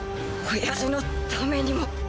親父のためにも！